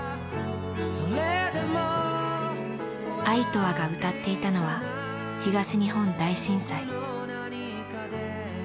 「あいとわ」が歌っていたのは東日本大震災。